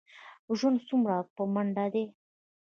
ژوند څومره په منډه دی.